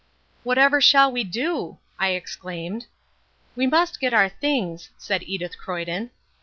"Whatever shall we do?" I exclaimed. "We must get our things," said Edith Croyden.